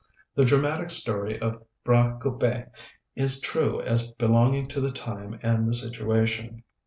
The dramatic story of Bras Coupé is true as belonging to the time and the situation.